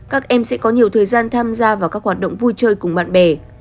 các em sẽ có nhiều thời gian tham gia vào các hoạt động vui chơi cùng bạn bè